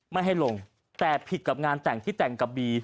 ไม่ให้ลงแต่ผิดกับงานแต่งที่แต่งกับบี